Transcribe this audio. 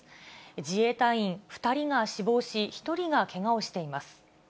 自衛隊員２人が死亡し、１人がけがをしています。